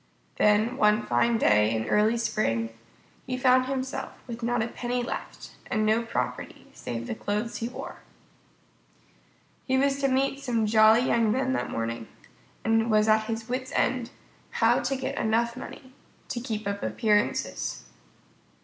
Then one fine day in early spring he found himself with not a penny left, and no property save the clothes he wore. He was to meet some jolly young men that morning, and he was at his wits' end how to get enough money to keep up appearances.